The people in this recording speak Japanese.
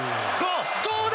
どうだ？